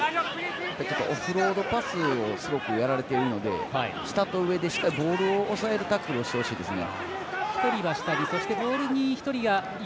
オフロードパスをすごくやられているので下と上でしっかりボールを押さえるタックルをしてほしいですね。